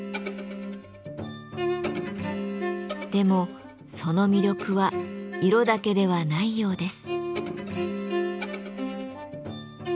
でもその魅力は色だけではないようです。